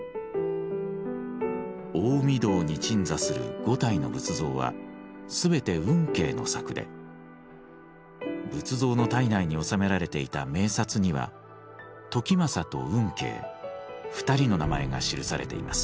大御堂に鎮座する５体の仏像は全て運慶の作で仏像の胎内に納められていた銘札には時政と運慶２人の名前が記されています。